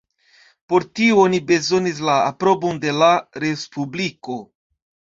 Por tio oni bezonis la aprobon de la Respubliko.